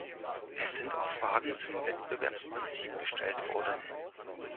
Es sind auch Fragen zum Wettbewerbsprinzip gestellt worden.